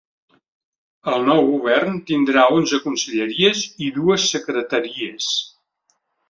El nou govern tindrà onze conselleries i dues secretaries.